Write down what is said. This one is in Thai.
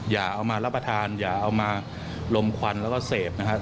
อย่าเอามารับประทานอย่าเอามาลมควันแล้วก็เสพนะครับ